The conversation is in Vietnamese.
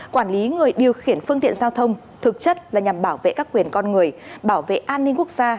quản lý người điều khiển phương tiện giao thông thực chất là nhằm bảo vệ các quyền con người bảo vệ an ninh quốc gia